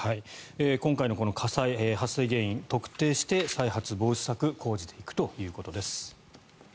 今回のこの火災発生原因、特定して再発防止策講じていくということです。